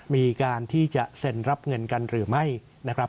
มีการที่จะเซ็นรับเงินกันหรือไม่นะครับ